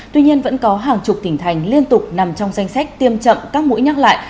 tuy nhiên vẫn có hàng chục tỉnh thành liên tục nằm trong danh sách tiêm chậm các mũi nhắc lại